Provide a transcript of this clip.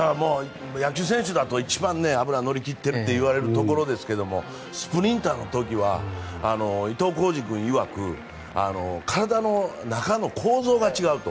野球選手だと一番脂が乗り切ってるといわれるところですがスプリンターの時は伊東浩司君いわく体の中の構造が違うと。